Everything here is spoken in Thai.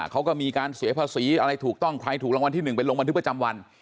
เขาก็มีการเสียภาษีอะไรถูกต้องใครถูกรางวัลที่๑ไปลงบันทึกประจำวัน